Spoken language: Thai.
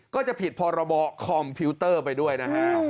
ก็จะผิดพอระบอกคอมพิวเตอร์ไปด้วยนะครับ